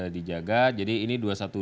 dijaga jadi ini dua ratus dua belas